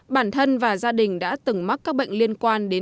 bản thân và gia đình đã từng mắc các bệnh liên tục